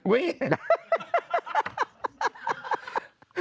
อุ๊ย